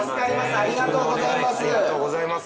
ありがとうございます。